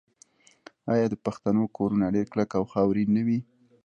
آیا د پښتنو کورونه ډیر کلک او خاورین نه وي؟